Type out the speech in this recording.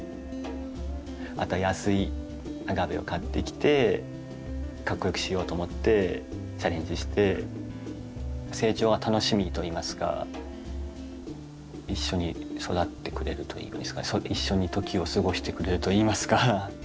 あとは安いアガベを買ってきてかっこよくしようと思ってチャレンジして成長が楽しみといいますか一緒に育ってくれるというんですか一緒に時を過ごしてくれるといいますか。